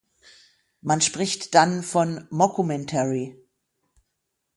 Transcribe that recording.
Man spricht dann von Mockumentary.